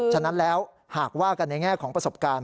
ฉะนั้นแล้วหากว่ากันในแง่ของประสบการณ์